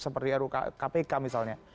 seperti rukpk misalnya